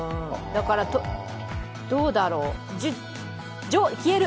だから、どうだろう、消える！